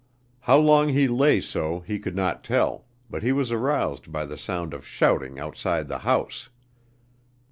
How long he lay so he could not tell, but he was aroused by the sound of shouting outside the house.